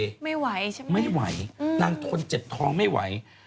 ไม่ไหวใช่ไหมไม่ไหวนางทนเจ็บท้องไม่ไหว